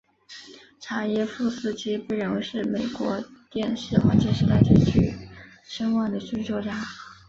查耶夫斯基被认为是美国电视黄金时代最具声望的剧作家。